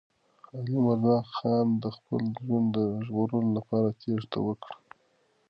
علیمردان خان د خپل ژوند د ژغورلو لپاره تېښته وکړه.